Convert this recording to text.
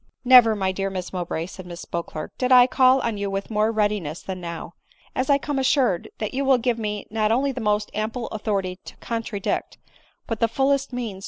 " Never, my dear Miss Mowbray, 9 ' said Mrs Beatf clerc, " did I call on you with more readiness than now ; as I come assured that you will give me not only die most ample authority to contradict, but the fullest means *»•» J »■»•. ADELINE MOWBRAY.